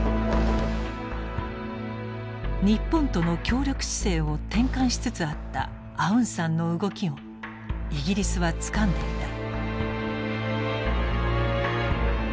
日本との協力姿勢を転換しつつあったアウンサンの動きをイギリスはつかんでいた。